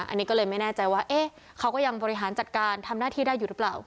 อันนี้ก็เลยไม่แน่ใจว่าเขาก็ยังบริหารจัดการทำหน้าที่ได้อยู่หรือเปล่า